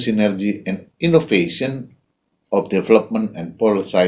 sinergi dan inovasi pengembangan dan politik